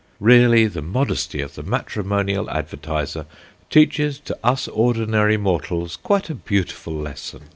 Really the modesty of the matrimonial advertiser teaches to us ordinary mortals quite a beautiful lesson.